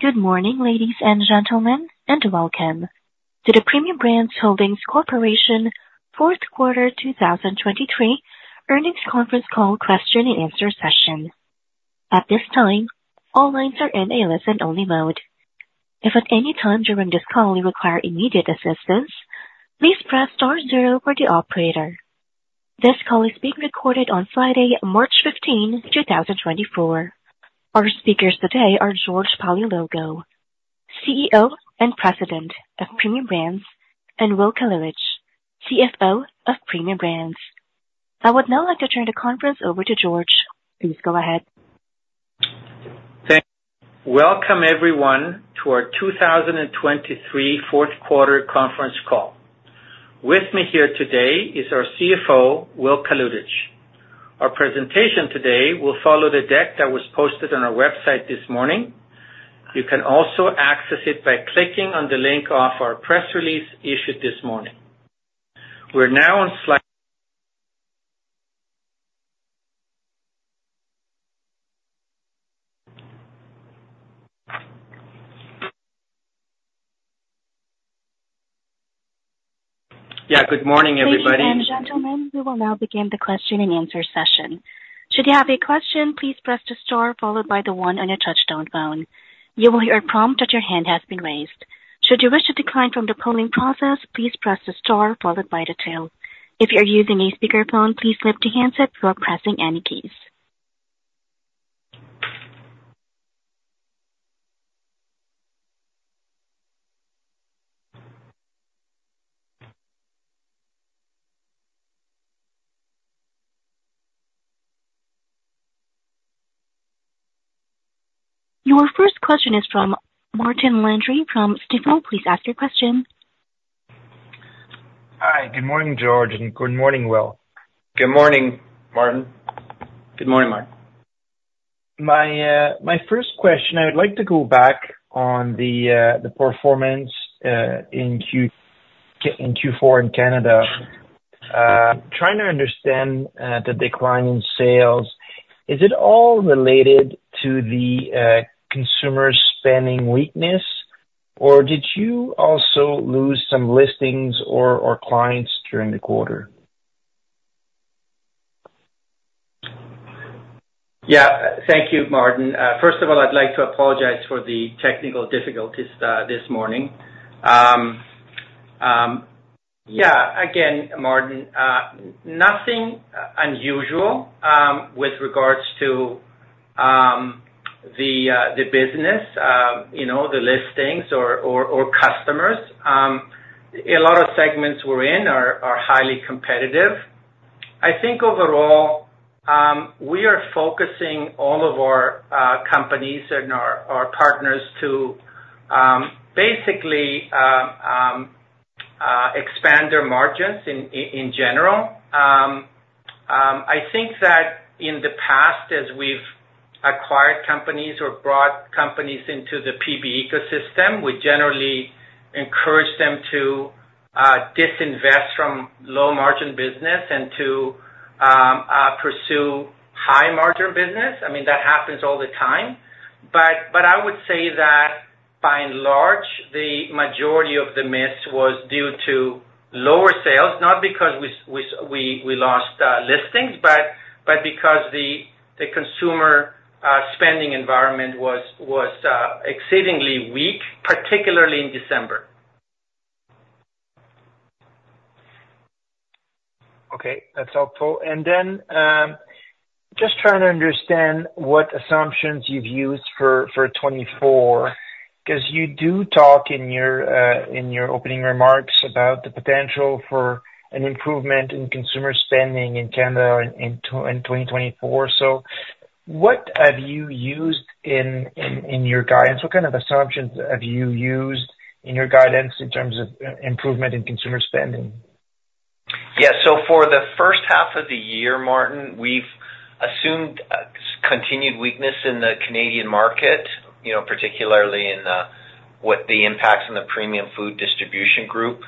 Good morning, ladies and gentlemen, and welcome to the Premium Brands Holdings Corporation Fourth Quarter 2023 Earnings Conference Call question and answer session. At this time, all lines are in a listen-only mode. If at any time during this call you require immediate assistance, please press star zero for the operator. This call is being recorded on Friday, March 15, 2024. Our speakers today are George Paleologou, CEO and President of Premium Brands, and Will Kalutycz, CFO of Premium Brands. I would now like to turn the conference over to George. Please go ahead. Thank you. Welcome everyone to our 2023 Fourth Quarter Conference Call. With me here today is our CFO, Will Kalutycz. Our presentation today will follow the deck that was posted on our website this morning. You can also access it by clicking on the link of our press release issued this morning. We're now on slide... Yeah, good morning, everybody. Ladies and gentlemen, we will now begin the question and answer session. Should you have a question, please press the star followed by the one on your touchtone phone. You will hear a prompt that your hand has been raised. Should you wish to decline from the polling process, please press the star followed by the two. If you're using a speakerphone, please lift the handset before pressing any keys. Your first question is from Martin Landry from Stifel. Please ask your question. Hi, good morning, George, and good morning, Will. Good morning, Martin. Good morning, Martin. My, my first question, I would like to go back on the, the performance in Q, in Q4 in Canada. Trying to understand the decline in sales. Is it all related to the consumer spending weakness, or did you also lose some listings or, or clients during the quarter? Yeah. Thank you, Martin. First of all, I'd like to apologize for the technical difficulties this morning. Yeah, again, Martin, nothing unusual with regards to the business, you know, the listings or customers. A lot of segments we're in are highly competitive. I think overall, we are focusing all of our companies and our partners to basically expand their margins in general. I think that in the past, as we've acquired companies or brought companies into the PB ecosystem, we generally encourage them to disinvest from low-margin business and to pursue high-margin business. I mean, that happens all the time. But I would say that by and large, the majority of the miss was due to lower sales, not because we lost listings, but because the consumer spending environment was exceedingly weak, particularly in December. Okay, that's helpful. And then, just trying to understand what assumptions you've used for, for 2024, 'cause you do talk in your, in your opening remarks about the potential for an improvement in consumer spending in Canada in 2024. So what have you used in your guidance? What kind of assumptions have you used in your guidance in terms of, improvement in consumer spending? Yeah. So for the first half of the year, Martin, we've assumed continued weakness in the Canadian market, you know, particularly in what the impacts on the Premium Food Distribution Group.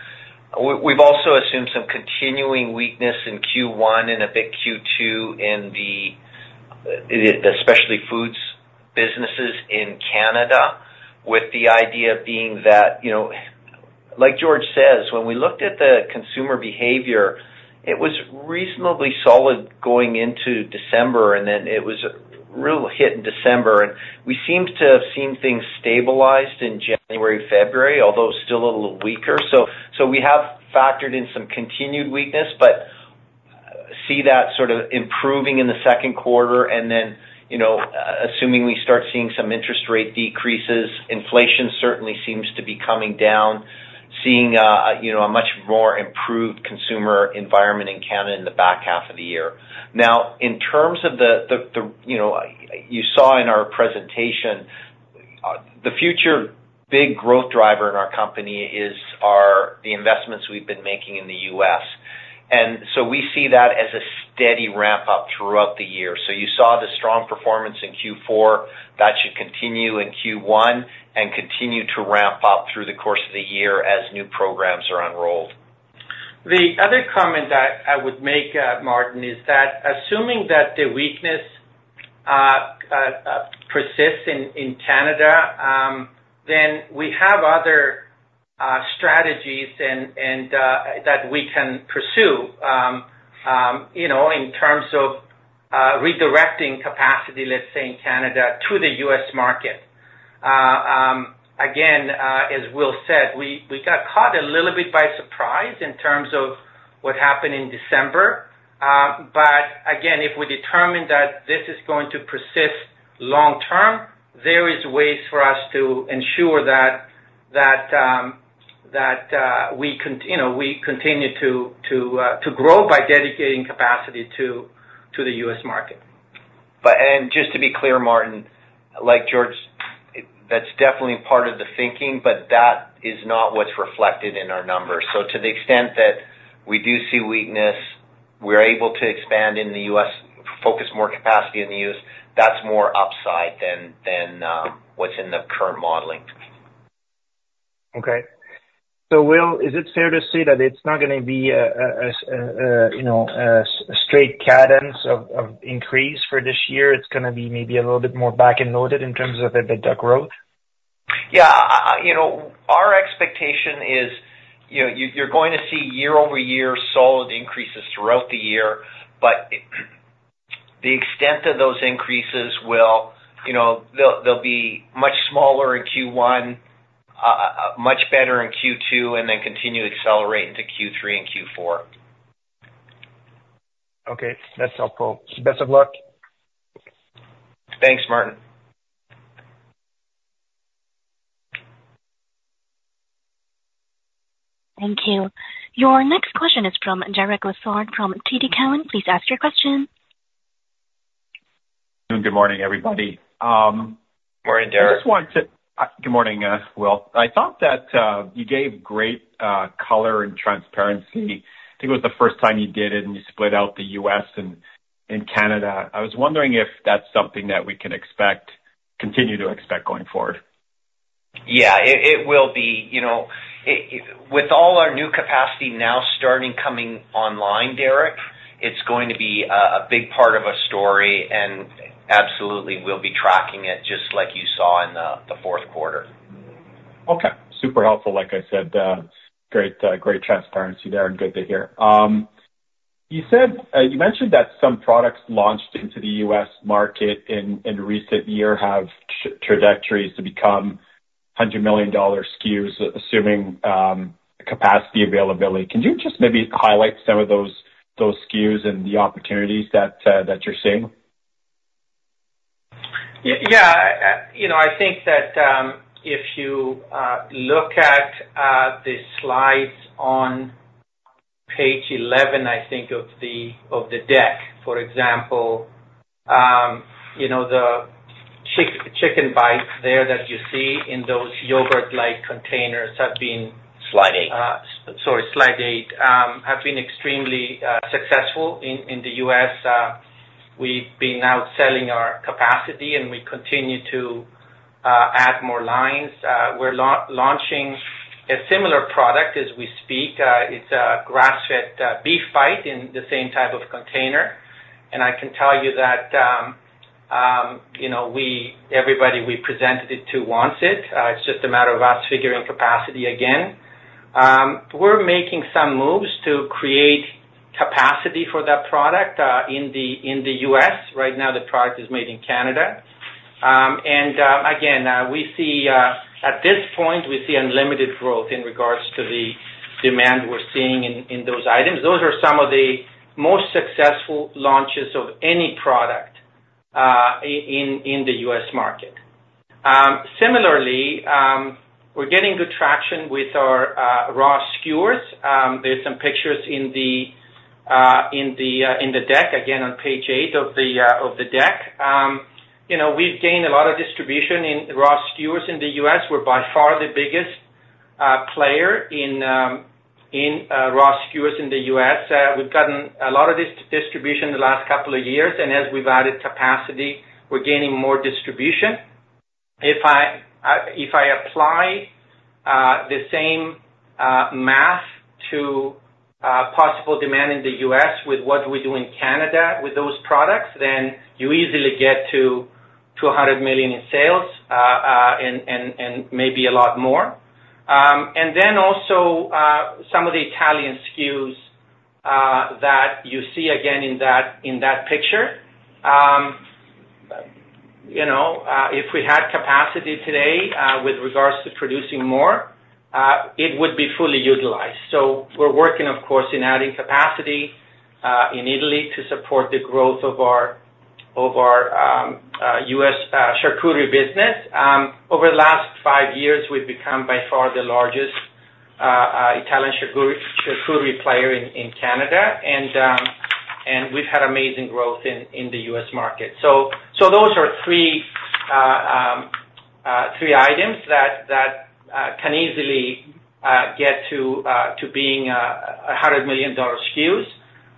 We've also assumed some continuing weakness in Q1 and a bit Q2 in the Specialty Foods businesses in Canada, with the idea being that, you know, like George says, when we looked at the consumer behavior, it was reasonably solid going into December, and then it was a real hit in December. And we seemed to have seen things stabilized in January, February, although still a little weaker. So, so we have factored in some continued weakness, but see that sort of improving in the second quarter and then, you know, assuming we start seeing some interest rate decreases, inflation certainly seems to be coming down, seeing, you know, a much more improved consumer environment in Canada in the back half of the year. Now, in terms of the, you know, you saw in our presentation, the future big growth driver in our company is our... the investments we've been making in the U.S. And so we see that as a steady ramp up throughout the year. So you saw the strong performance in Q4, that should continue in Q1 and continue to ramp up through the course of the year as new programs are unrolled. The other comment I would make, Martin, is that assuming that the weakness persists in Canada, then we have other strategies and that we can pursue, you know, in terms of redirecting capacity, let's say, in Canada to the U.S. market. Again, as Will said, we got caught a little bit by surprise in terms of what happened in December, but again, if we determine that this is going to persist long term, there is ways for us to ensure that we continue to grow by dedicating capacity to the U.S. market. Just to be clear, Martin, like George, that's definitely part of the thinking, but that is not what's reflected in our numbers. So to the extent that we do see weakness, we're able to expand in the U.S., focus more capacity in the U.S., that's more upside than what's in the current modeling. Okay. So Will, is it fair to say that it's not gonna be a you know a straight cadence of increase for this year? It's gonna be maybe a little bit more back-ended in terms of the growth? Yeah, you know, our expectation is, you know, you're going to see year-over-year solid increases throughout the year, but the extent of those increases will, you know, they'll be much smaller in Q1, much better in Q2, and then continue to accelerate into Q3 and Q4. Okay. That's helpful. Best of luck. Thanks, Martin. Thank you. Your next question is from Derek Lessard, from TD Cowen. Please ask your question. Good morning, everybody. Morning, Derek. Good morning, Will. I thought that you gave great color and transparency. I think it was the first time you did it, and you split out the U.S. and Canada. I was wondering if that's something that we can expect, continue to expect going forward. Yeah, it will be. You know, with all our new capacity now starting coming online, Derek, it's going to be a big part of our story, and absolutely, we'll be tracking it just like you saw in the fourth quarter. Okay, super helpful, like I said, great, great transparency there, and good to hear. You said, you mentioned that some products launched into the U.S. market in recent year have trajectories to become $100 million SKUs, assuming capacity availability. Can you just maybe highlight some of those, those SKUs and the opportunities that you're seeing? Yeah. You know, I think that if you look at the slides on page 11, I think, of the deck, for example, you know, the chicken bites there that you see in those yogurt-like containers have been- Slide eight. Sorry, slide eight, have been extremely successful in the U.S. We've been out selling our capacity, and we continue to add more lines. We're launching a similar product as we speak. It's a grass-fed beef bite in the same type of container. And I can tell you that, you know, everybody we presented it to wants it. It's just a matter of us figuring capacity again. We're making some moves to create capacity for that product in the U.S. Right now, the product is made in Canada. And again, at this point, we see unlimited growth in regards to the demand we're seeing in those items. Those are some of the most successful launches of any product in the U.S. market. Similarly, we're getting good traction with our raw skewers. There's some pictures in the deck, again, on page 8 of the deck. You know, we've gained a lot of distribution in raw skewers in the U.S. We're by far the biggest player in raw skewers in the U.S. We've gotten a lot of this distribution in the last couple of years, and as we've added capacity, we're gaining more distribution. If I apply the same math to possible demand in the U.S. with what we do in Canada with those products, then you easily get to 200 million in sales, and maybe a lot more. Also, some of the Italian SKUs that you see again in that picture, you know, if we had capacity today with regards to producing more, it would be fully utilized. So we're working, of course, in adding capacity in Italy to support the growth of our U.S. charcuterie business. Over the last 5 years, we've become by far the largest Italian charcuterie player in Canada, and we've had amazing growth in the U.S. market. So those are 3 items that can easily get to being $100 million SKUs.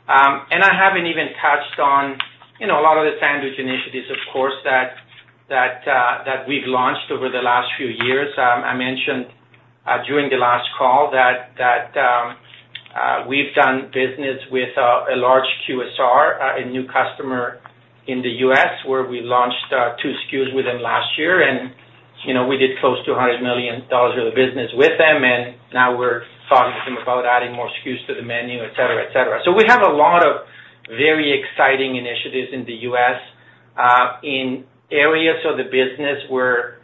And I haven't even touched on, you know, a lot of the sandwich initiatives, of course, that we've launched over the last few years. I mentioned during the last call that we've done business with a large QSR, a new customer in the U.S., where we launched 2 SKUs with them last year, and, you know, we did close to $100 million of the business with them, and now we're talking to them about adding more SKUs to the menu, et cetera, et cetera. So we have a lot of very exciting initiatives in the U.S., in areas of the business where,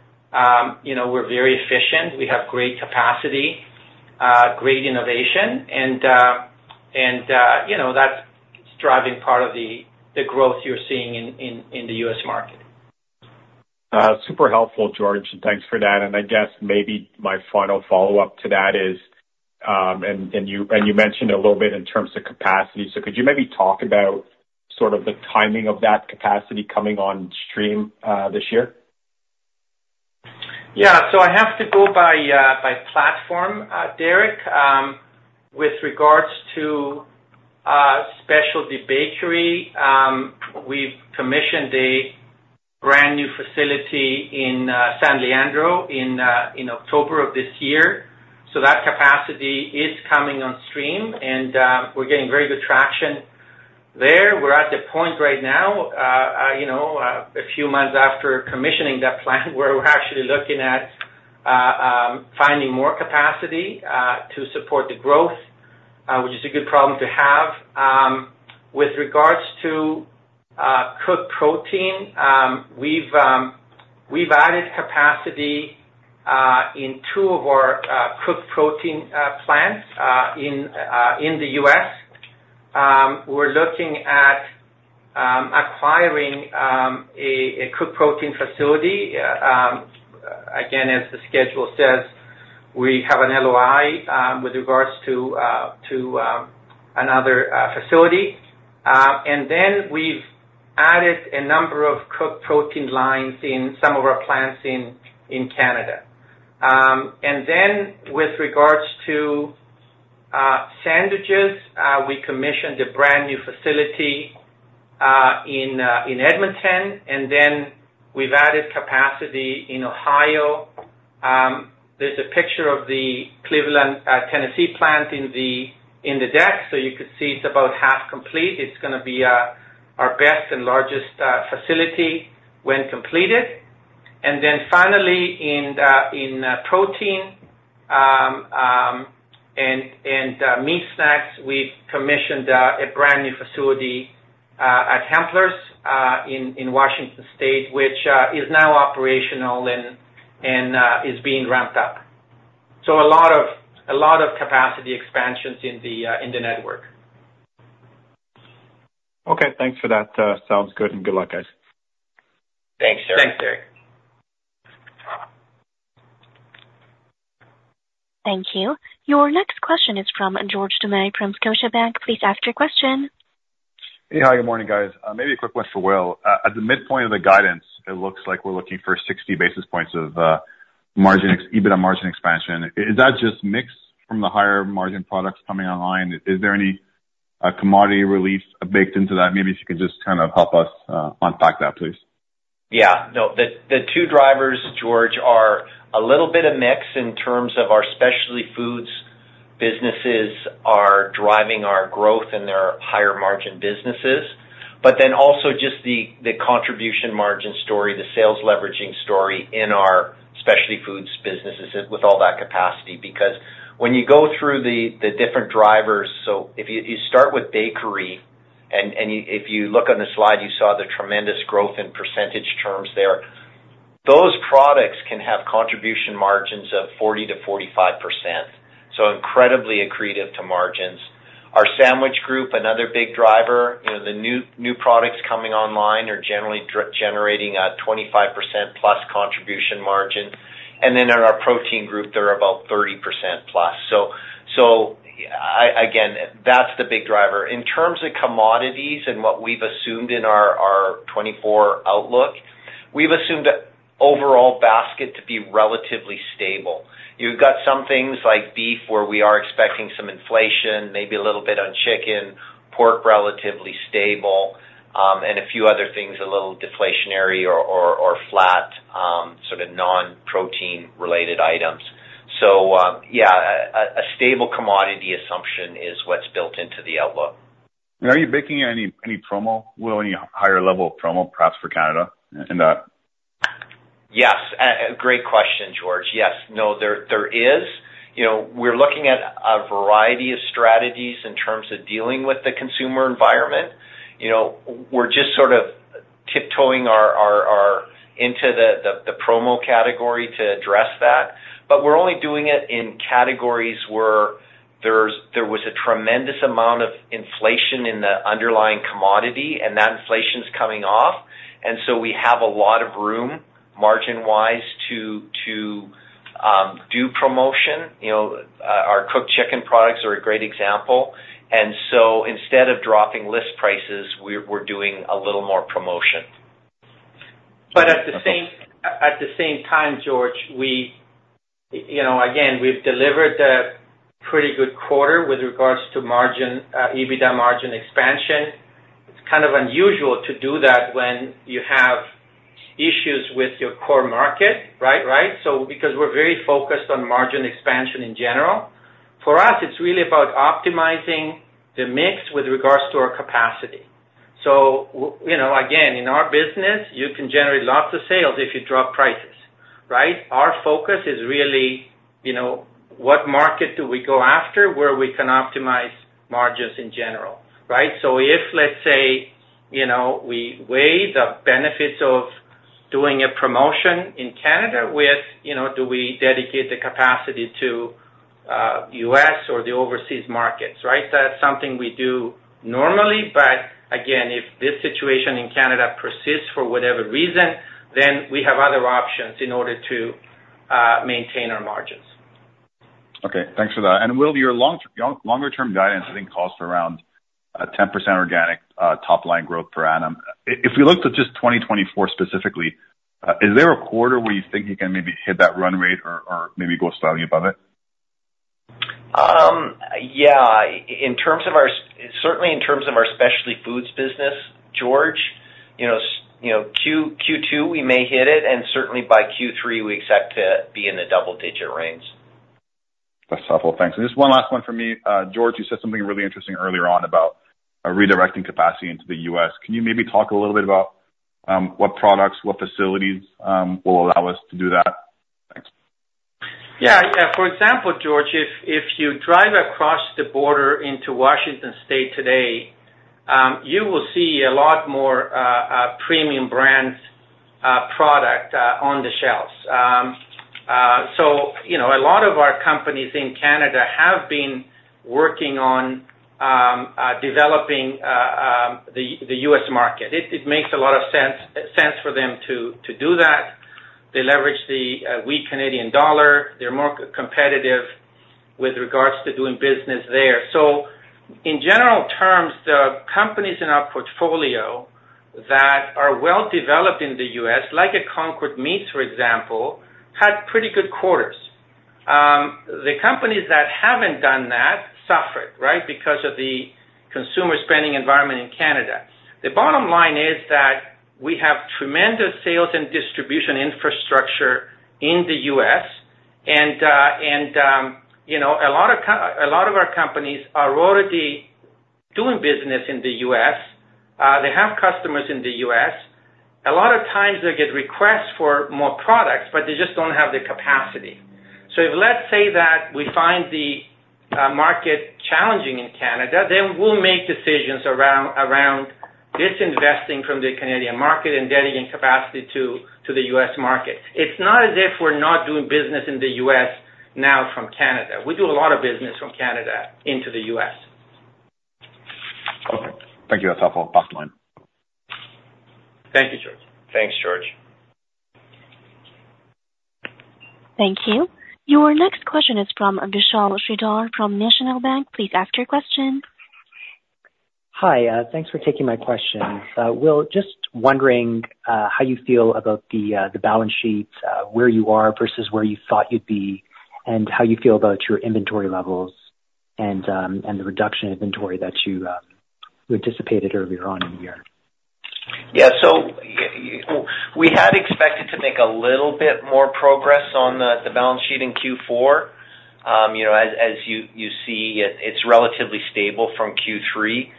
you know, we're very efficient. We have great capacity, great innovation, and, you know, that's driving part of the growth you're seeing in the U.S. market. Super helpful, George. Thanks for that. And I guess maybe my final follow-up to that is, and you mentioned a little bit in terms of capacity. So could you maybe talk about sort of the timing of that capacity coming on stream this year? Yeah. So I have to go by, by platform, Derek. With regards to, specialty bakery, we've commissioned a brand new facility in, San Leandro in, in October of this year. So that capacity is coming on stream, and, we're getting very good traction there. We're at the point right now, you know, a few months after commissioning that plant, where we're actually looking at, finding more capacity, to support the growth, which is a good problem to have. With regards to, cooked protein, we've added capacity, in two of our, cooked protein, plants, in, in the U.S. We're looking at, acquiring, a cooked protein facility. Again, as the schedule says, we have an LOI with regards to another facility. And then we've added a number of cooked protein lines in some of our plants in Canada. And then with regards to sandwiches, we commissioned a brand new facility in Edmonton, and then we've added capacity in Ohio. There's a picture of the Cleveland, Tennessee plant in the deck, so you could see it's about half complete. It's gonna be our best and largest facility when completed. And then finally, in the protein and meat snacks, we've commissioned a brand new facility at Hempler in Washington State, which is now operational and is being ramped up. So a lot of, a lot of capacity expansions in the, in the network. Okay, thanks for that. Sounds good, and good luck, guys. Thanks, Derek. Thank you. Your next question is from George Doumet from Scotiabank. Please ask your question. Hey, hi, good morning, guys. Maybe a quick one for Will. At the midpoint of the guidance, it looks like we're looking for 60 basis points of margin ex- EBITDA margin expansion. Is that just mix from the higher margin products coming online? Is there any commodity release baked into that? Maybe if you could just kind of help us unpack that, please. Yeah. No, the two drivers, George, are a little bit of mix in terms of our Specialty Foods businesses are driving our growth in their higher margin businesses, but then also just the contribution margin story, the sales leveraging story in our Specialty Foods businesses with all that capacity. Because when you go through the different drivers, so if you start with bakery and you-- if you look on the slide, you saw the tremendous growth in percentage terms there. Those products can have contribution margins of 40%-45%, so incredibly accretive to margins. Our sandwich group, another big driver, you know, the new, new products coming online are generally generating a 25%+ contribution margin. And then in our protein group, they're about 30%+. So, again, that's the big driver. In terms of commodities and what we've assumed in our 2024 outlook, we've assumed the overall basket to be relatively stable. You've got some things like beef, where we are expecting some inflation, maybe a little bit on chicken, pork, relatively stable, and a few other things, a little deflationary or flat, sort of non-protein related items. So, yeah, a stable commodity assumption is what's built into the outlook. Are you baking any promo, Will, any higher level of promo, perhaps for Canada in that? Yes, a great question, George. Yes. No, there is. You know, we're looking at a variety of strategies in terms of dealing with the consumer environment. You know, we're just sort of tiptoeing into the promo category to address that, but we're only doing it in categories where there was a tremendous amount of inflation in the underlying commodity, and that inflation's coming off. And so we have a lot of room, margin-wise, to do promotion. You know, our cooked chicken products are a great example. And so instead of dropping list prices, we're doing a little more promotion. But at the same time, George, you know, again, we've delivered a pretty good quarter with regards to margin, EBITDA margin expansion. It's kind of unusual to do that when you have issues with your core market, right? Right? So because we're very focused on margin expansion in general. For us, it's really about optimizing the mix with regards to our capacity. You know, again, in our business, you can generate lots of sales if you drop prices, right? Our focus is really, you know, what market do we go after, where we can optimize margins in general, right? So if, let's say, you know, we weigh the benefits of doing a promotion in Canada with, you know, do we dedicate the capacity to U.S. or the overseas markets, right? That's something we do normally, but again, if this situation in Canada persists for whatever reason, then we have other options in order to maintain our margins. Okay, thanks for that. And Will, your long-term, long, longer term guidance, I think, calls for around 10% organic top line growth per annum. If we looked at just 2024 specifically, is there a quarter where you think you can maybe hit that run rate or, or maybe go slightly above it? Yeah, in terms of our Specialty Foods business, George, you know, you know, Q2, we may hit it, and certainly by Q3, we expect to be in the double digit range. That's helpful. Thanks. And just one last one for me. George, you said something really interesting earlier on about redirecting capacity into the U.S. Can you maybe talk a little bit about what products, what facilities will allow us to do that? Thanks. Yeah. For example, George, if you drive across the border into Washington State today, you will see a lot more Premium Brands product on the shelves. So, you know, a lot of our companies in Canada have been working on developing the U.S. market. It makes a lot of sense for them to do that. They leverage the weak Canadian dollar. They're more competitive with regards to doing business there. So in general terms, the companies in our portfolio that are well developed in the U.S.., like a Concord Meats, for example, had pretty good quarters. The companies that haven't done that suffered, right? Because of the consumer spending environment in Canada. The bottom line is that we have tremendous sales and distribution infrastructure in the U.S., and, and, you know, a lot of our companies are already doing business in the U.S. They have customers in the U.S. A lot of times they get requests for more products, but they just don't have the capacity. So let's say that we find the market challenging in Canada, then we'll make decisions around disinvesting from the Canadian market and dedicating capacity to the U.S. market. It's not as if we're not doing business in the U.S. now from Canada. We do a lot of business from Canada into the U.S. Okay. Thank you. That's helpful. Awesome line. Thank you, George. Thanks, George. Thank you. Your next question is from Vishal Shreedhar from National Bank. Please ask your question. Hi, thanks for taking my question. Will, just wondering, how you feel about the balance sheet, where you are versus where you thought you'd be, and how you feel about your inventory levels and, and the reduction in inventory that you anticipated earlier on in the year? Yeah. So we had expected to make a little bit more progress on the balance sheet in Q4. You know, as you see, it's relatively stable from Q3.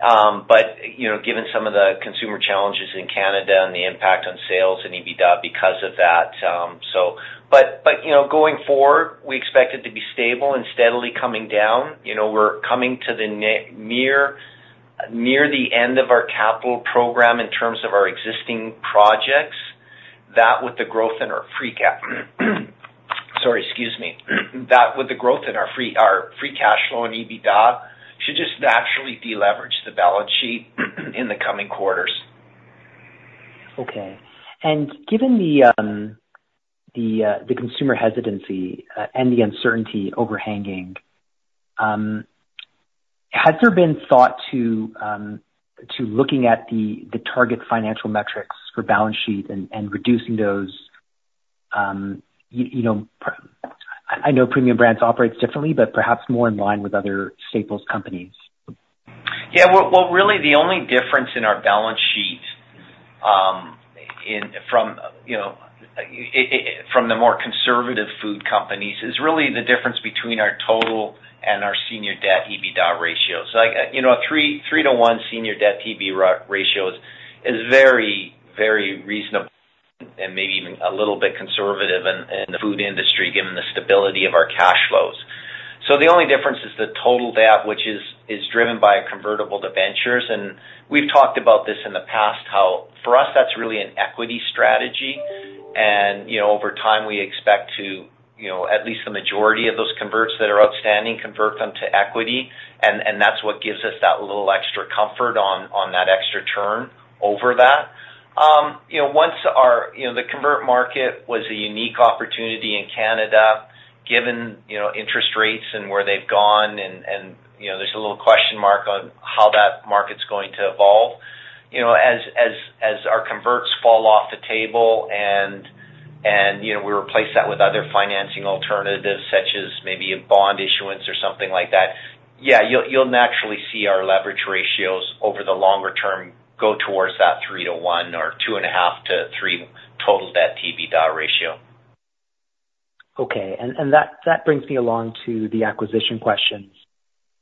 But you know, given some of the consumer challenges in Canada and the impact on sales and EBITDA because of that, so. But you know, going forward, we expect it to be stable and steadily coming down. You know, we're coming to the near the end of our capital program in terms of our existing projects, that with the growth in our free cap, sorry, excuse me. That with the growth in our free, our free cash flow and EBITDA, should just naturally deleverage the balance sheet in the coming quarters. Okay. And given the consumer hesitancy and the uncertainty overhanging, has there been thought to looking at the target financial metrics for balance sheet and reducing those... You know, I know Premium Brands operates differently, but perhaps more in line with other staples companies. Yeah, well, really the only difference in our balance sheet, in from the more conservative food companies, is really the difference between our total and our senior debt EBITDA ratios. Like, you know, a 3 to 1 senior debt EBITDA ratio is very, very reasonable and maybe even a little bit conservative in the food industry, given the stability of our cash flows. So the only difference is the total debt, which is driven by convertible debentures. And we've talked about this in the past, how for us, that's really an equity strategy. And, you know, over time, we expect to, you know, at least the majority of those converts that are outstanding, convert them to equity, and that's what gives us that little extra comfort on that extra turn over that. You know, once our... You know, the convert market was a unique opportunity in Canada, given, you know, interest rates and where they've gone and you know, there's a little question mark on how that market's going to evolve. You know, as converts fall off the table and, you know, we replace that with other financing alternatives, such as maybe a bond issuance or something like that, yeah, you'll naturally see our leverage ratios over the longer term go towards that 3-to-1 or 2.5-to-3 total debt to EBITDA ratio. Okay. And that brings me along to the acquisition questions.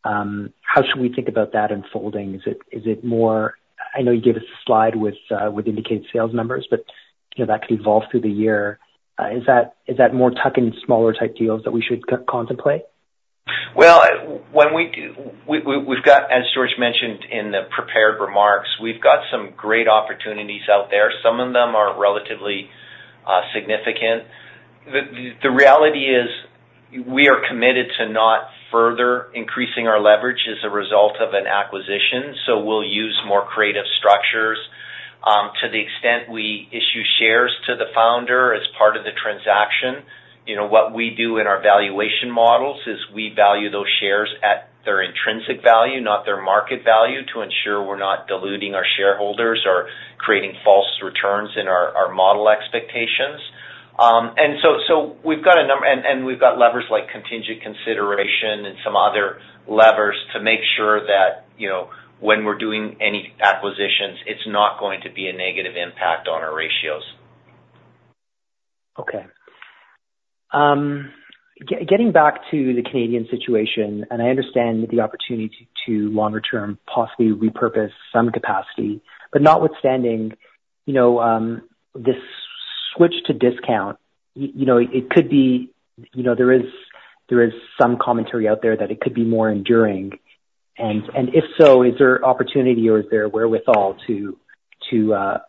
How should we think about that unfolding? Is it more, I know you gave us a slide with indicated sales numbers, but, you know, that could evolve through the year. Is that more tuck-in, smaller type deals that we should contemplate? Well, when we do, we've got, as George mentioned in the prepared remarks, we've got some great opportunities out there. Some of them are relatively significant. The reality is, we are committed to not further increasing our leverage as a result of an acquisition, so we'll use more creative structures. To the extent we issue shares to the founder as part of the transaction, you know, what we do in our valuation models is we value those shares at their intrinsic value, not their market value, to ensure we're not diluting our shareholders or creating false returns in our model expectations. And we've got levers like contingent consideration and some other levers to make sure that, you know, when we're doing any acquisitions, it's not going to be a negative impact on our ratios. Okay. Getting back to the Canadian situation, and I understand the opportunity to longer term, possibly repurpose some capacity, but notwithstanding, you know, this switch to discount, you know, it could be... You know, there is some commentary out there that it could be more enduring. And if so, is there opportunity or is there wherewithal to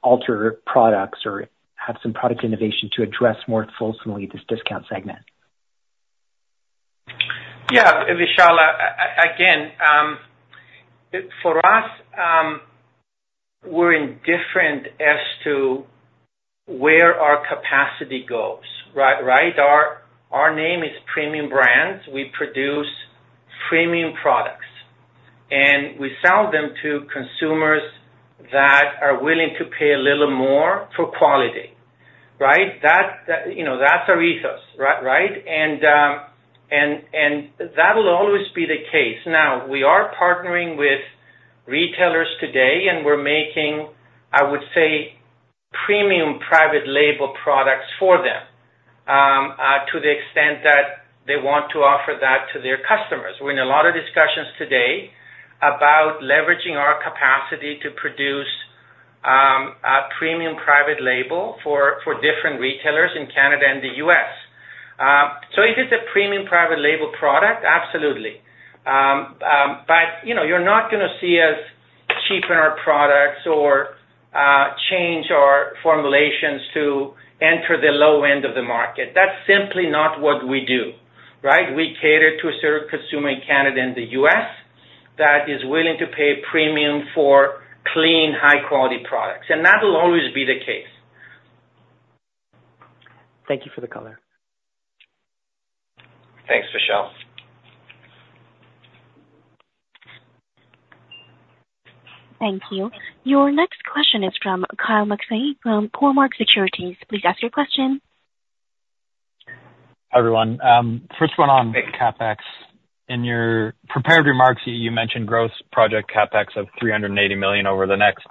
alter products or have some product innovation to address more fulsomely this discount segment? Yeah, Vishal, again, for us, we're indifferent as to where our capacity goes, right, right? Our name is Premium Brands. We produce premium products, and we sell them to consumers that are willing to pay a little more for quality, right? That, you know, that's our ethos, right? And that'll always be the case. Now, we are partnering with retailers today, and we're making, I would say, premium private label products for them, to the extent that they want to offer that to their customers. We're in a lot of discussions today about leveraging our capacity to produce, a premium private label for different retailers in Canada and the U.S. So if it's a premium private label product, absolutely. You know, you're not gonna see us cheapen our products or change our formulations to enter the low end of the market. That's simply not what we do, right? We cater to a certain consumer in Canada and the U.S. that is willing to pay a premium for clean, high quality products, and that will always be the case. Thank you for the color. Thanks, Vishal. Thank you. Your next question is from Kyle McPhee, from Cormark Securities. Please ask your question. Hi, everyone. First one on CapEx. In your prepared remarks, you, you mentioned gross project CapEx of 300 million over the next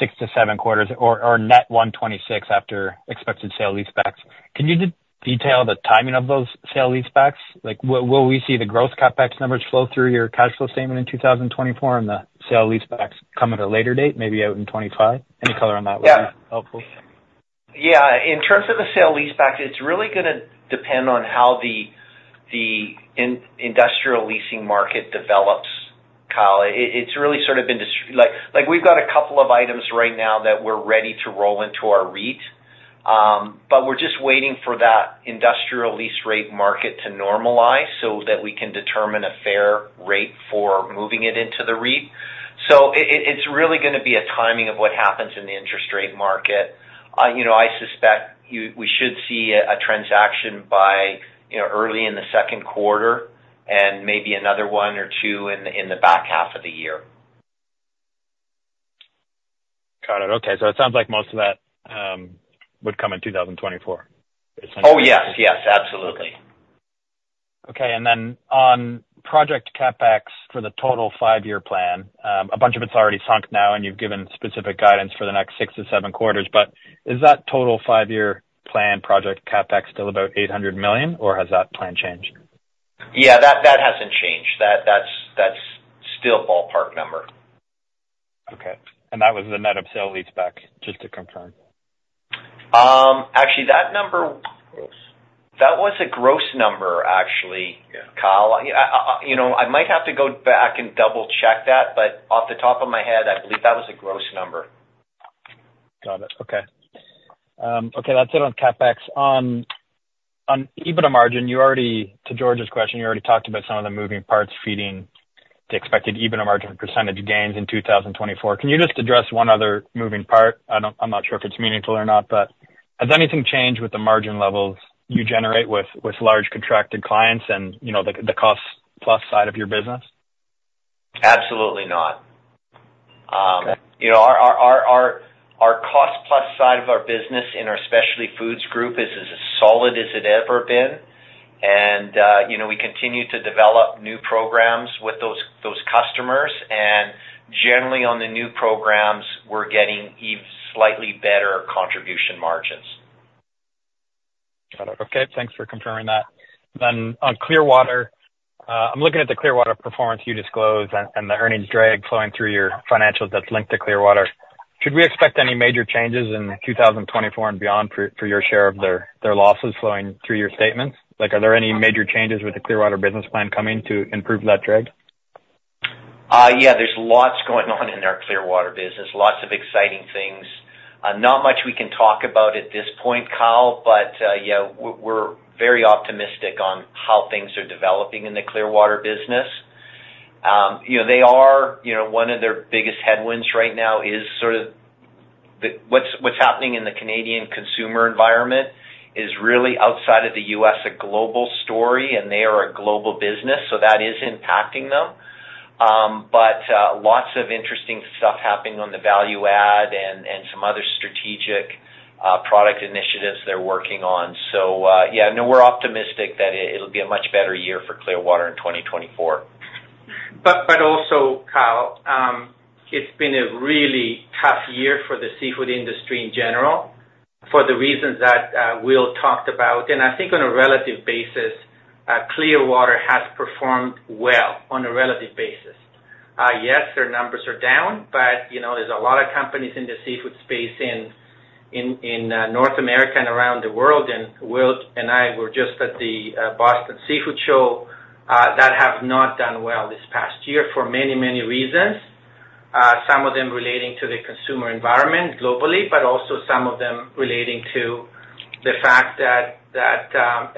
6-7 quarters, or, or net 126 million after expected sale leasebacks. Can you just detail the timing of those sale leasebacks? Like, will, will we see the gross CapEx numbers flow through your cash flow statement in 2024, and the sale leasebacks come at a later date, maybe out in 2025? Any color on that would be helpful. Yeah, in terms of the sale leasebacks, it's really gonna depend on how the industrial leasing market develops, Kyle. It's really sort of been like we've got a couple of items right now that we're ready to roll into our REIT, but we're just waiting for that industrial lease rate market to normalize so that we can determine a fair rate for moving it into the REIT. So it's really gonna be a timing of what happens in the interest rate market. You know, I suspect we should see a transaction by early in the second quarter and maybe another one or two in the back half of the year. Got it. Okay. So it sounds like most of that would come in 2024? Oh, yes. Yes, absolutely. Okay, and then on project CapEx for the total 5-year plan, a bunch of it's already sunk now, and you've given specific guidance for the next 6-7 quarters, but is that total 5-year plan project CapEx still about 800 million, or has that plan changed? Yeah, that hasn't changed. That's still ballpark number. Okay. That was the net of sale leaseback, just to confirm? Actually, that number- Gross. That was a gross number, actually- Yeah. - Kyle. You know, I might have to go back and double-check that, but off the top of my head, I believe that was a gross number. Got it. Okay, that's it on CapEx. On EBITDA margin, you already... To George's question, you already talked about some of the moving parts feeding the expected EBITDA margin percentage gains in 2024. Can you just address one other moving part? I don't. I'm not sure if it's meaningful or not, but has anything changed with the margin levels you generate with large contracted clients and, you know, the cost plus side of your business? Absolutely not. You know, our cost plus side of our business in our Specialty Foods Group is as solid as it's ever been. And, you know, we continue to develop new programs with those customers, and generally on the new programs, we're getting even slightly better contribution margins. Got it. Okay. Thanks for confirming that. Then on Clearwater, I'm looking at the Clearwater performance you disclosed and, and the earnings drag flowing through your financials that's linked to Clearwater. Should we expect any major changes in 2024 and beyond for, for your share of their, their losses flowing through your statements? Like, are there any major changes with the Clearwater business plan coming to improve that drag? Yeah, there's lots going on in our Clearwater business. Lots of exciting things. Not much we can talk about at this point, Kyle, but, yeah, we're very optimistic on how things are developing in the Clearwater business. You know, they are, you know, one of their biggest headwinds right now is sort of the, what's happening in the Canadian consumer environment is really outside of the U.S., a global story, and they are a global business, so that is impacting them. But, lots of interesting stuff happening on the value add and some other strategic, product initiatives they're working on. So, yeah, no, we're optimistic that it, it'll be a much better year for Clearwater in 2024. But also, Kyle, it's been a really tough year for the seafood industry in general, for the reasons that Will talked about. And I think on a relative basis, Clearwater has performed well on a relative basis. Yes, their numbers are down, but you know, there's a lot of companies in the seafood space in North America and around the world, and Will and I were just at the Boston Seafood Show that have not done well this past year for many, many reasons. Some of them relating to the consumer environment globally, but also some of them relating to the fact that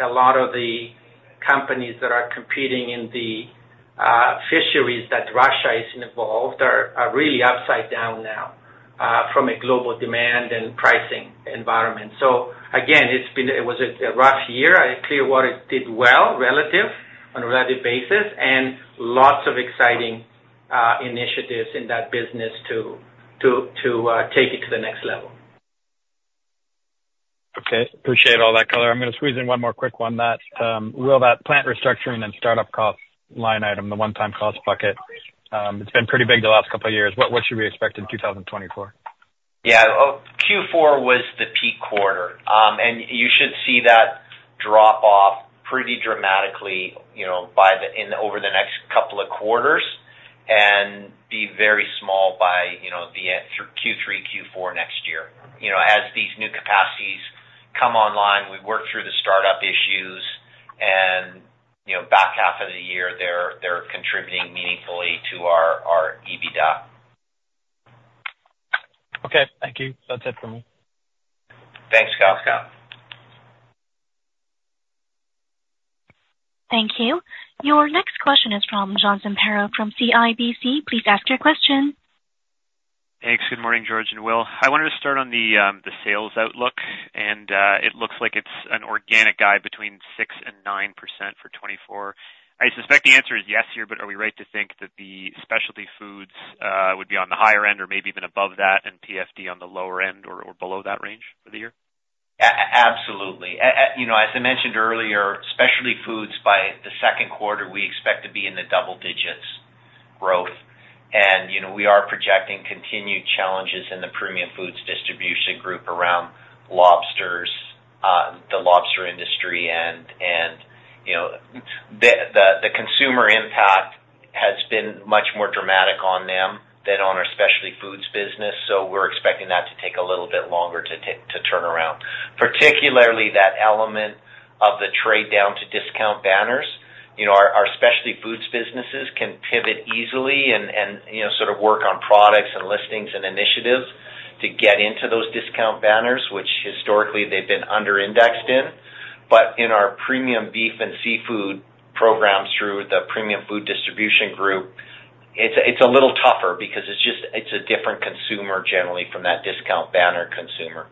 a lot of the companies that are competing in the fisheries that Russia is involved are really upside down now from a global demand and pricing environment. So again, it was a rough year. Clearwater did well, relative, on a relative basis, and lots of exciting initiatives in that business to take it to the next level. Okay. Appreciate all that color. I'm gonna squeeze in one more quick one that, Will, that plant restructuring and startup cost line item, the one-time cost bucket. It's been pretty big the last couple of years. What should we expect in 2024? Yeah. Oh, Q4 was the peak quarter. And you should see that drop off pretty dramatically, you know, by the, in over the next couple of quarters and be very small by, you know, the end, through Q3, Q4 next year. You know, as these new capacities come online, we work through the startup issues and, you know, back half of the year, they're contributing meaningfully to our EBITDA. Okay. Thank you. That's it for me. Thanks, Kyle. Thank you. Your next question is from John Zamparo, from CIBC. Please ask your question. Thanks. Good morning, George and Will. I wanted to start on the sales outlook, and it looks like it's an organic guide between 6% and 9% for 2024. I suspect the answer is yes here, but are we right to think that the Specialty Foods would be on the higher end or maybe even above that, and PFD on the lower end or below that range for the year? Absolutely. You know, as I mentioned earlier, specialty foods, by the second quarter, we expect to be in the double digits growth. And, you know, we are projecting continued challenges in the Premium Food Distribution Group around lobsters, the lobster industry. And, you know, the consumer impact has been much more dramatic on them than on our Specialty Foods business, so we're expecting that to take a little bit longer to turn around. Particularly, that element of the trade down to discount banners. You know, our Specialty Foods businesses can pivot easily and, you know, sort of work on products and listings and initiatives to get into those discount banners, which historically they've been under-indexed in. But in our premium beef and seafood programs through the Premium Food Distribution Group, it's a little tougher because it's just a different consumer generally from that discount banner consumer.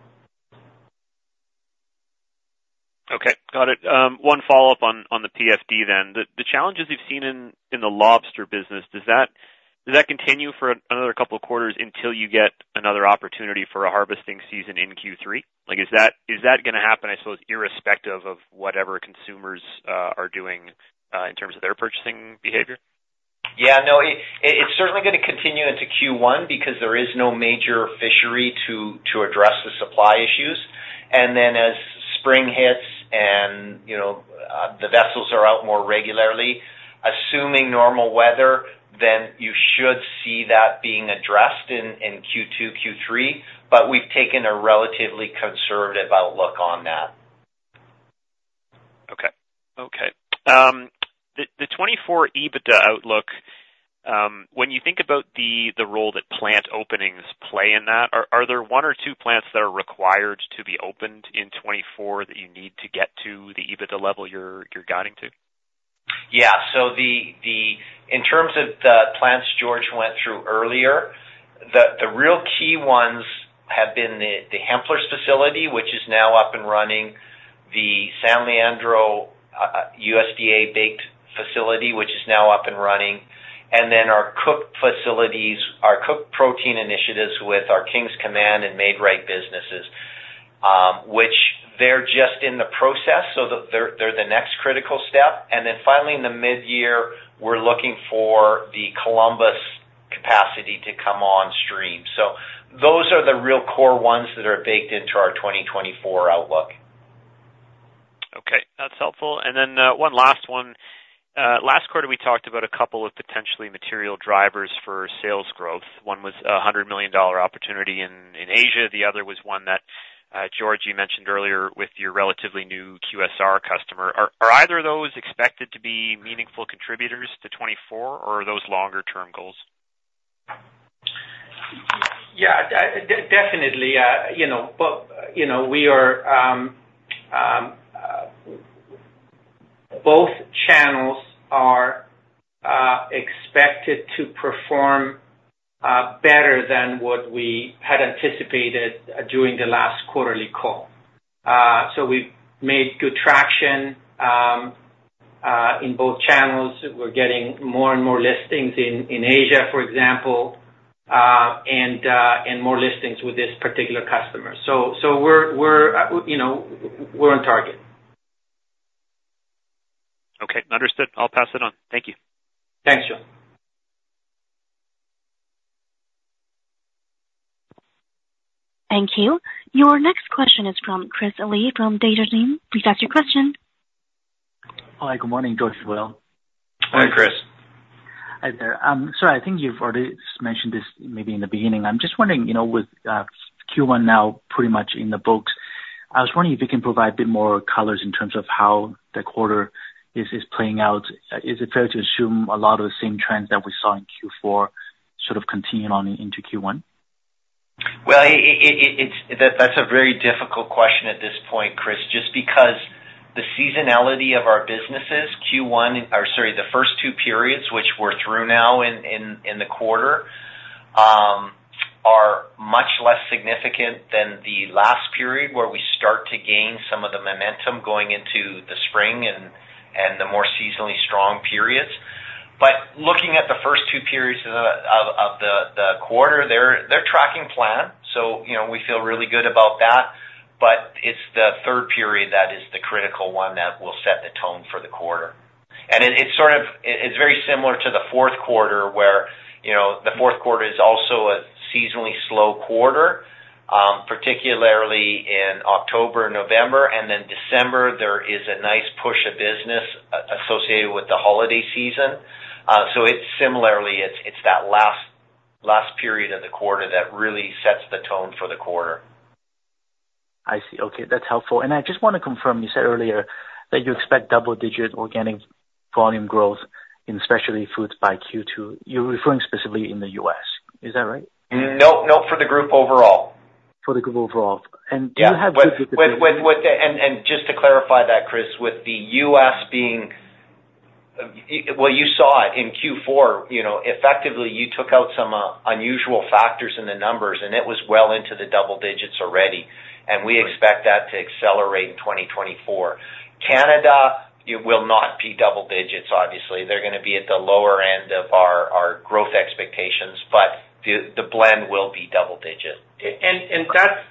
Okay. Got it. One follow-up on the PFD then. The challenges you've seen in the lobster business, does that continue for another couple of quarters until you get another opportunity for a harvesting season in Q3? Like, is that gonna happen, I suppose, irrespective of whatever consumers are doing in terms of their purchasing behavior? Yeah, no, it's certainly gonna continue into Q1 because there is no major fishery to address the supply issues. And then as spring hits and, you know, the vessels are out more regularly, assuming normal weather, then you should see that being addressed in Q2, Q3, but we've taken a relatively conservative outlook on that. Okay. Okay, the 2024 EBITDA outlook, when you think about the role that plant openings play in that, are there one or two plants that are required to be opened in 2024 that you need to get to the EBITDA level you're guiding to? Yeah. So in terms of the plants George went through earlier, the real key ones have been the Hempler's facility, which is now up and running, the San Leandro USDA bakery facility, which is now up and running, and then our cooked facilities, our cooked protein initiatives with our King's Command and Maid-Rite businesses, which they're just in the process, so they're the next critical step. And then finally, in the mid-year, we're looking for the Columbus capacity to come on stream. So those are the real core ones that are baked into our 2024 outlook. Okay, that's helpful. And then, one last one. Last quarter, we talked about a couple of potentially material drivers for sales growth. One was a 100 million dollar opportunity in Asia, the other was one that George, you mentioned earlier with your relatively new QSR customer. Are either of those expected to be meaningful contributors to 2024, or are those longer term goals? Yeah, definitely, you know, but, you know, we are both channels are expected to perform better than what we had anticipated during the last quarterly call. So we've made good traction in both channels. We're getting more and more listings in, in Asia, for example, and, and more listings with this particular customer. So, so we're, we're, you know, we're on target. Okay, understood. I'll pass it on. Thank you. Thanks, John. Thank you. Your next question is from Chris Li, from Desjardins. We've got your question. Hi, good morning, George, and Will. Hi, Chris. Hi there. So I think you've already mentioned this maybe in the beginning. I'm just wondering, you know, with Q1 now pretty much in the books, I was wondering if you can provide a bit more colors in terms of how the quarter is playing out. Is it fair to assume a lot of the same trends that we saw in Q4 sort of continuing on into Q1? Well, it's—that's a very difficult question at this point, Chris, just because the seasonality of our businesses, Q1, or sorry, the first two periods, which we're through now in the quarter, are much less significant than the last period, where we start to gain some of the momentum going into the spring and the more seasonally strong periods. But looking at the first two periods of the quarter, they're tracking plan, so, you know, we feel really good about that. But it's the third period that is the critical one that will set the tone for the quarter. It's sort of very similar to the fourth quarter, where, you know, the fourth quarter is also a seasonally slow quarter, particularly in October, November, and then December, there is a nice push of business associated with the holiday season. So it's similarly that last period of the quarter that really sets the tone for the quarter. I see. Okay, that's helpful. I just wanna confirm, you said earlier that you expect double-digit organic volume growth in Specialty Foods by Q2. You're referring specifically in the U.S., is that right? No, no, for the group overall. For the group overall. Yeah. And do you have- Just to clarify that, Chris, with the U.S. being, well, you saw it in Q4, you know, effectively, you took out some unusual factors in the numbers, and it was well into the double digits already, and we expect that to accelerate in 2024. Canada, it will not be double digits, obviously. They're gonna be at the lower end of our growth expectations, but the blend will be double digits. That's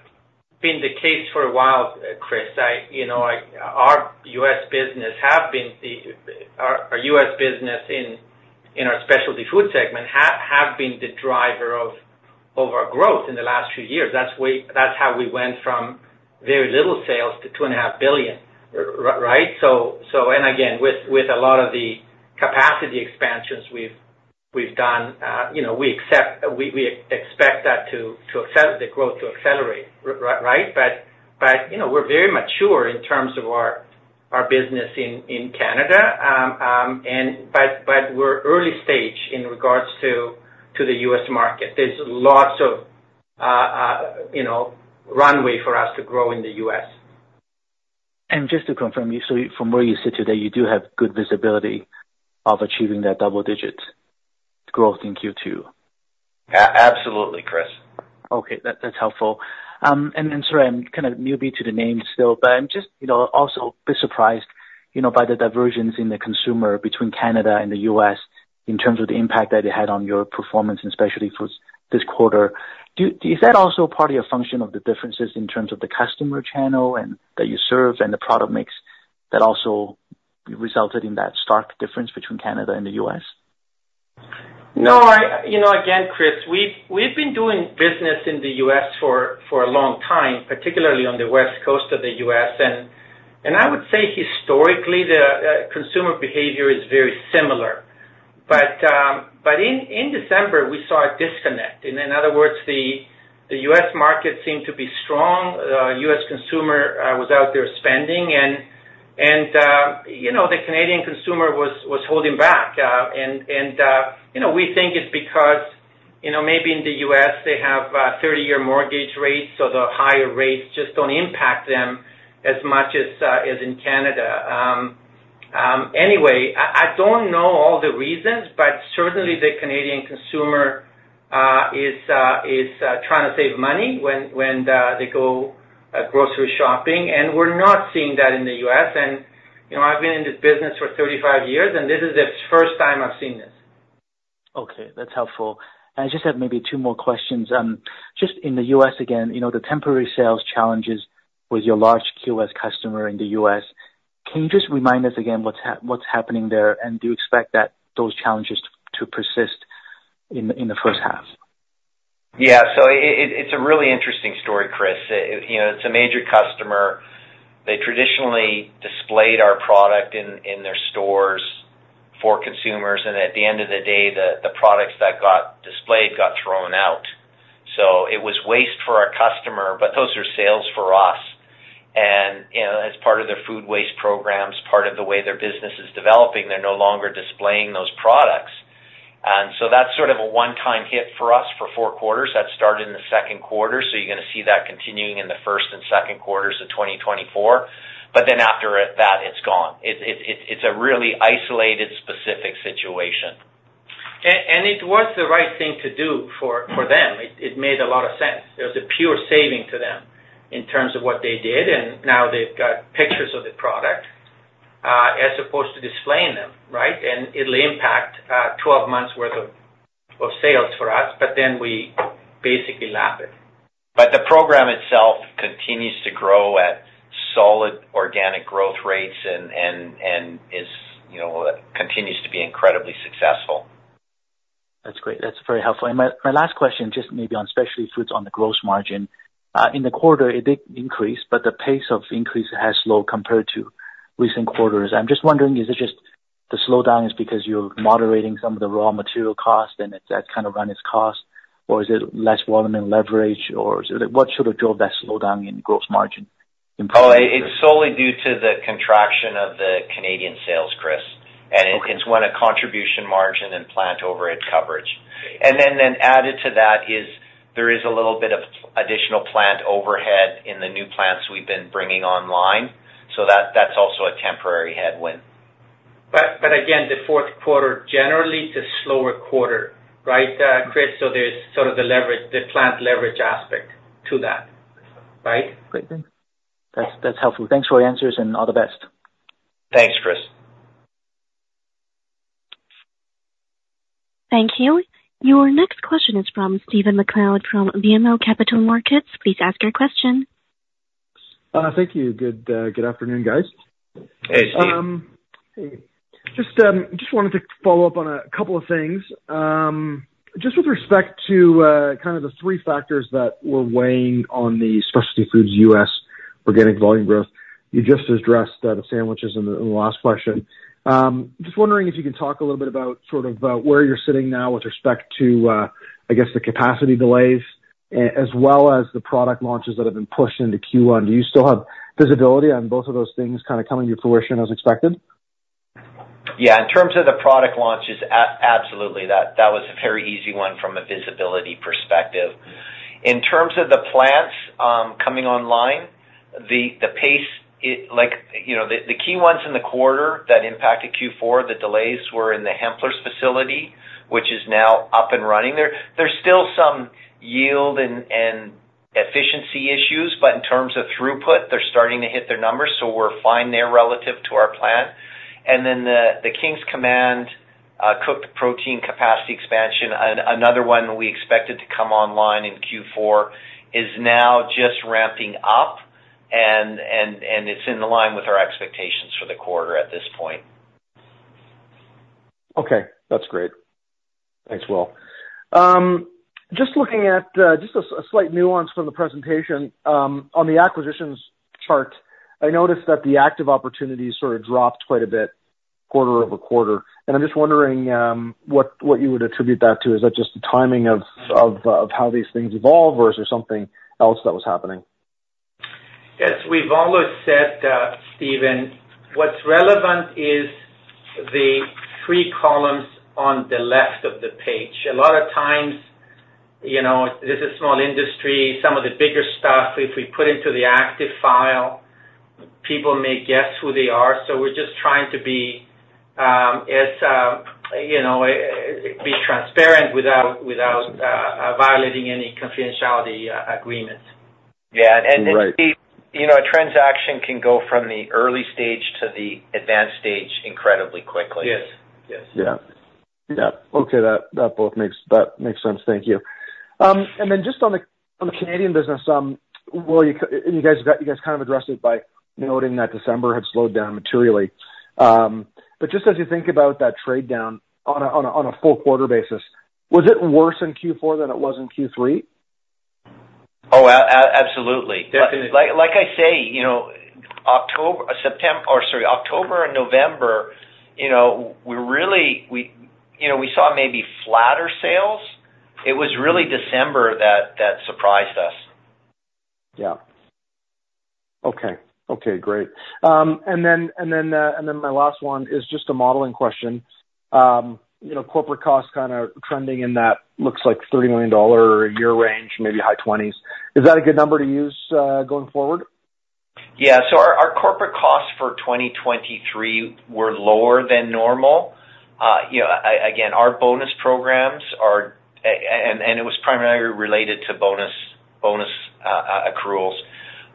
been the case for a while, Chris. You know, our U.S. business have been the, our, our U.S. business in, in our specialty food segment have, have been the driver of, of our growth in the last few years. That's how we went from very little sales to 2.5 billion, right? So and again, with, with a lot of the capacity expansions we've, we've done, you know, we expect that to accelerate the growth, right? But, you know, we're very mature in terms of our, our business in, in Canada, and but, but we're early stage in regards to, to the U.S. market. There's lots of, you know, runway for us to grow in the U.S. Just to confirm, so from where you sit today, you do have good visibility of achieving that double digit growth in Q2? Absolutely, Chris. Okay, that, that's helpful. And then, sir, I'm kind of newbie to the name still, but I'm just, you know, also a bit surprised, you know, by the diversions in the consumer between Canada and the U.S., in terms of the impact that it had on your performance, and especially for this quarter. Do, is that also part of your function of the differences in terms of the customer channel and, that you serve, and the product mix that also resulted in that stark difference between Canada and the U.S.? No, I, you know, again, Chris, we've, we've been doing business in the U.S. for, for a long time, particularly on the West Coast of the U.S., and, and I would say historically, the consumer behavior is very similar. But, but in, in December, we saw a disconnect. In other words, the, the U.S. market seemed to be strong. The U.S. consumer was out there spending, and, and, you know, the Canadian consumer was, was holding back. And, and, you know, we think it's because, you know, maybe in the U.S., they have 30-year mortgage rates, so the higher rates just don't impact them as much as, as in Canada. Anyway, I, I don't know all the reasons, but certainly the Canadian consumer-... is trying to save money when they go grocery shopping, and we're not seeing that in the U.S. And, you know, I've been in this business for 35 years, and this is the first time I've seen this. Okay, that's helpful. I just have maybe two more questions. Just in the U.S. again, you know, the temporary sales challenges with your large QSR customer in the U.S., can you just remind us again what's happening there, and do you expect those challenges to persist in the first half? Yeah, so it's a really interesting story, Chris. You know, it's a major customer. They traditionally displayed our product in their stores for consumers, and at the end of the day, the products that got displayed got thrown out. So it was waste for our customer, but those are sales for us. And, you know, as part of their food waste programs, part of the way their business is developing, they're no longer displaying those products. And so that's sort of a one-time hit for us for four quarters. That started in the second quarter, so you're gonna see that continuing in the first and second quarters of 2024. But then after that, it's gone. It's a really isolated, specific situation. And it was the right thing to do for them. It made a lot of sense. It was a pure saving to them in terms of what they did, and now they've got pictures of the product as opposed to displaying them, right? And it'll impact 12 months' worth of sales for us, but then we basically lap it. But the program itself continues to grow at solid organic growth rates and is, you know, continues to be incredibly successful. That's great. That's very helpful. And my, my last question, just maybe on specialty foods, on the gross margin. In the quarter, it did increase, but the pace of increase has slowed compared to recent quarters. I'm just wondering, is it just the slowdown is because you're moderating some of the raw material costs and it, that's kind of run its course, or is it less volume and leverage, or is it, what sort of drove that slowdown in gross margin in- Oh, it's solely due to the contraction of the Canadian sales, Chris. Okay. It's one a contribution margin and plant overhead coverage. Then added to that is, there is a little bit of additional plant overhead in the new plants we've been bringing online, so that's also a temporary headwind. But, but again, the fourth quarter, generally it's a slower quarter, right, Chris? So there's sort of the leverage, the plant leverage aspect to that, right? Great. That's, that's helpful. Thanks for your answers, and all the best. Thanks, Chris. Thank you. Your next question is from Stephen MacLeod, from BMO Capital Markets. Please ask your question. Thank you. Good afternoon, guys. Hey, Steve. Just wanted to follow up on a couple of things. Just with respect to, kind of the three factors that we're weighing on the specialty foods, U.S. organic volume growth, you just addressed the sandwiches in the, in the last question. Just wondering if you can talk a little bit about sort of, where you're sitting now with respect to, I guess, the capacity delays, as well as the product launches that have been pushed into Q1. Do you still have visibility on both of those things kind of coming to fruition as expected? Yeah, in terms of the product launches, absolutely. That was a very easy one from a visibility perspective. In terms of the plants coming online, the pace, like, you know, the key ones in the quarter that impacted Q4, the delays were in the Hempler's facility, which is now up and running. There's still some yield and efficiency issues, but in terms of throughput, they're starting to hit their numbers, so we're fine there relative to our plan. And then the King's Command cooked protein capacity expansion, another one we expected to come online in Q4, is now just ramping up, and it's in line with our expectations for the quarter at this point. Okay. That's great. Thanks, Will. Just looking at just a slight nuance from the presentation. On the acquisitions chart, I noticed that the active opportunities sort of dropped quite a bit quarter over quarter, and I'm just wondering what you would attribute that to. Is that just the timing of how these things evolve, or is there something else that was happening? As we've always said, Stephen, what's relevant is the three columns on the left of the page. A lot of times, you know, this is small industry. Some of the bigger stuff, if we put into the active file, people may guess who they are, so we're just trying to be, as, you know, be transparent without, without, violating any confidentiality agreements. Yeah. Right. You know, a transaction can go from the early stage to the advanced stage incredibly quickly. Yes. Yes. Yeah. Yeah. Okay, that makes sense. Thank you. And then just on the Canadian business, well, and you guys kind of addressed it by noting that December had slowed down materially. But just as you think about that trade down on a full quarter basis, was it worse in Q4 than it was in Q3? Oh, absolutely. Definitely. Like, like I say, you know, October, September, or sorry, October and November, you know, we really, we, you know, we saw maybe flatter sales. It was really December that, that surprised us. Yeah. Okay, great. And then my last one is just a modeling question. You know, corporate costs kind of trending in that looks like 30 million dollar a year range, maybe high twenties. Is that a good number to use going forward? Yeah, so our corporate costs for 2023 were lower than normal. You know, again, our bonus programs are, and it was primarily related to bonus accruals.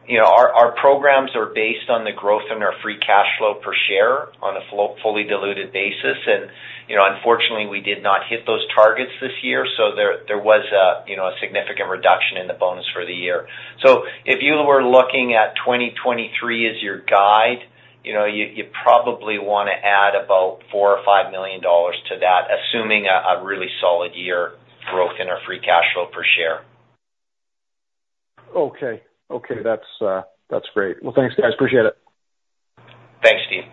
You know, our programs are based on the growth in our free cash flow per share on a fully diluted basis. And, you know, unfortunately, we did not hit those targets this year, so there was a significant reduction in the bonus for the year. So if you were looking at 2023 as your guide, you know, you'd probably wanna add about 4 million or 5 million dollars to that, assuming a really solid year growth in our free cash flow per share. Okay. Okay, that's, that's great. Well, thanks, guys. Appreciate it. Thanks, Steve.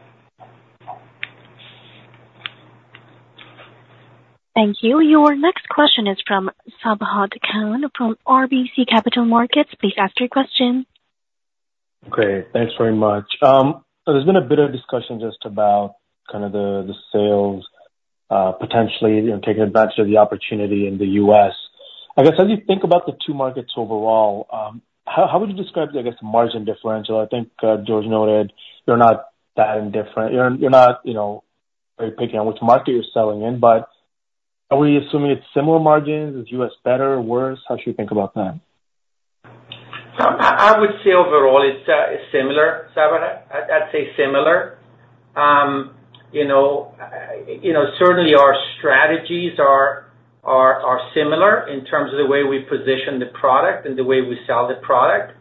Thank you. Your next question is from Sabahat Khan from RBC Capital Markets. Please ask your question. Great. Thanks very much. So there's been a bit of discussion just about kind of the sales, potentially, you know, taking advantage of the opportunity in the U.S. I guess, as you think about the two markets overall, how would you describe the, I guess, margin differential? I think, George noted you're not that different. You're not, you know, very picky on which market you're selling in, but are we assuming it's similar margins? Is U.S. better or worse? How should we think about that? So I would say overall it's similar, Sabahat. I'd say similar. You know, certainly our strategies are similar in terms of the way we position the product and the way we sell the product.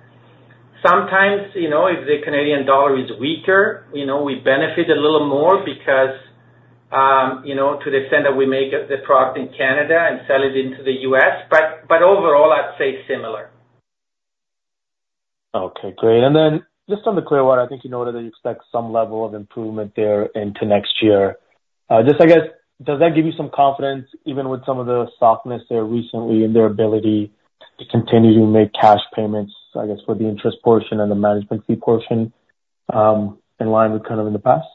Sometimes, you know, if the Canadian dollar is weaker, you know, we benefit a little more because, you know, to the extent that we make the product in Canada and sell it into the U.S. But overall, I'd say similar. Okay, great. And then just on the Clearwater, I think you noted that you expect some level of improvement there into next year. Just I guess, does that give you some confidence, even with some of the softness there recently, in their ability to continue to make cash payments, I guess, for the interest portion and the management fee portion, in line with kind of in the past?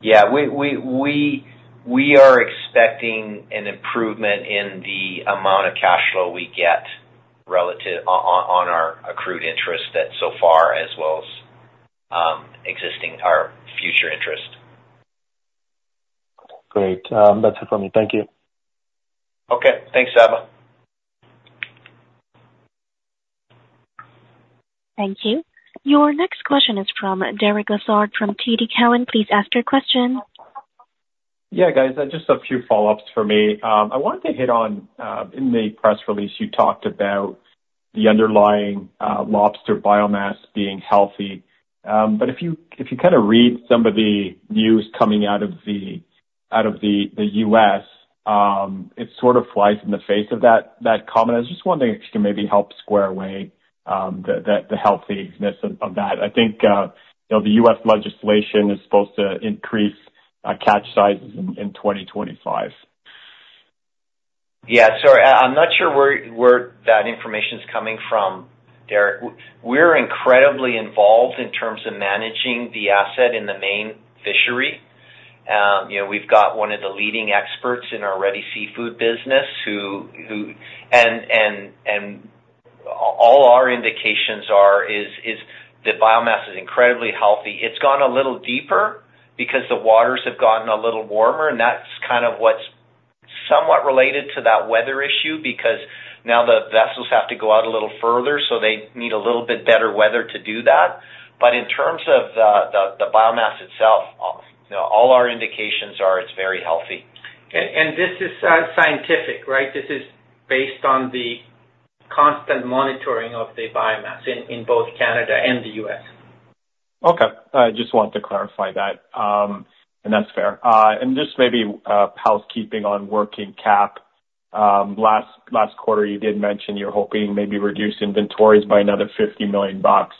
Yeah, we are expecting an improvement in the amount of cash flow we get relative to our accrued interest that's so far, as well as existing or future interest. Great. That's it for me. Thank you. Okay. Thanks, Sabahat. Thank you. Your next question is from Derek Lessard from TD Cowen. Please ask your question. Yeah, guys, just a few follow-ups for me. I wanted to hit on, in the press release, you talked about the underlying lobster biomass being healthy. But if you kind of read some of the news coming out of the U.S., it sort of flies in the face of that comment. I just wondering if you can maybe help square away the healthy-ness of that. I think, you know, the U.S. legislation is supposed to increase catch sizes in 2025. Yeah. So I'm not sure where that information is coming from, Derek. We're incredibly involved in terms of managing the asset in the Maine fishery. You know, we've got one of the leading experts in our Ready Seafood business, who. And all our indications are the biomass is incredibly healthy. It's gone a little deeper because the waters have gotten a little warmer, and that's kind of what's somewhat related to that weather issue, because now the vessels have to go out a little further, so they need a little bit better weather to do that. But in terms of the biomass itself, you know, all our indications are it's very healthy. This is scientific, right? This is based on the constant monitoring of the biomass in both Canada and the U.S. Okay. I just wanted to clarify that, and that's fair. And just maybe housekeeping on working cap. Last quarter, you did mention you're hoping maybe reduce inventories by another 50 million bucks.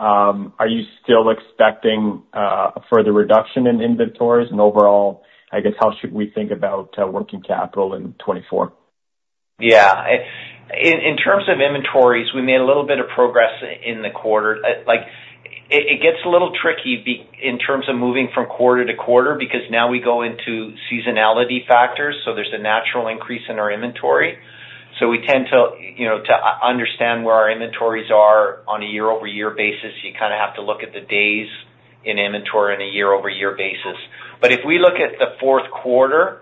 Are you still expecting a further reduction in inventories? And overall, I guess, how should we think about working capital in 2024? Yeah. In, in terms of inventories, we made a little bit of progress in the quarter. Like, it, it gets a little tricky in terms of moving from quarter to quarter, because now we go into seasonality factors, so there's a natural increase in our inventory. So we tend to, you know, to understand where our inventories are on a year-over-year basis, you kind of have to look at the days in inventory on a year-over-year basis. But if we look at the fourth quarter,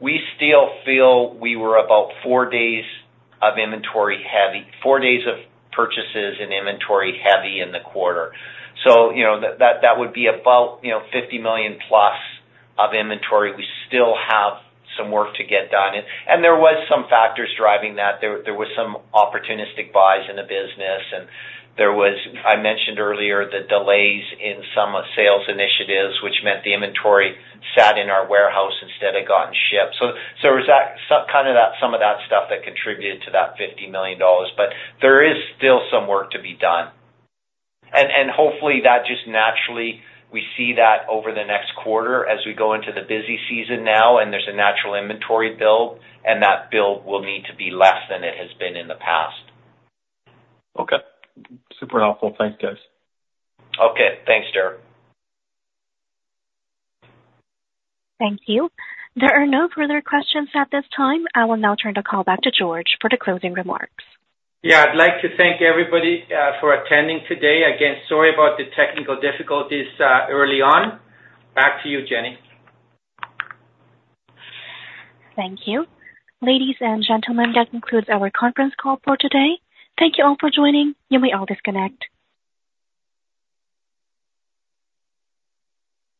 we still feel we were about four days of inventory heavy—four days of purchases and inventory heavy in the quarter. So, you know, that, that would be about, you know, 50 million plus of inventory. We still have some work to get done. And, and there was some factors driving that. There was some opportunistic buys in the business, and there was, I mentioned earlier, the delays in some sales initiatives, which meant the inventory sat in our warehouse instead of gotten shipped. So it was that, some kind of that, some of that stuff that contributed to that 50 million dollars, but there is still some work to be done. And hopefully that just naturally we see that over the next quarter as we go into the busy season now, and there's a natural inventory build, and that build will need to be less than it has been in the past. Okay. Super helpful. Thanks, guys. Okay. Thanks, Derek. Thank you. There are no further questions at this time. I will now turn the call back to George for the closing remarks. Yeah, I'd like to thank everybody for attending today. Again, sorry about the technical difficulties early on. Back to you, Jenny. Thank you. Ladies and gentlemen, that concludes our conference call for today. Thank you all for joining. You may all disconnect.